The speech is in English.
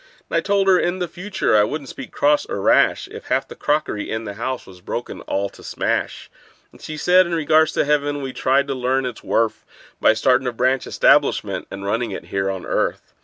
And I told her in the future I wouldn't speak cross or rash If half the crockery in the house was broken all to smash; And she said, in regards to heaven, we'd try and learn its worth By startin' a branch establishment and runnin' it here on earth.